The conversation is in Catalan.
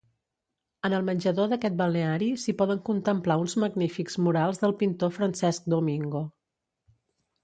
En el menjador d'aquest balneari s'hi poden contemplar uns magnífics murals del pintor Francesc Domingo.